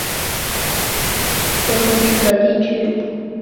美属维尔京群岛是美国唯一道路交通靠左行驶的地区。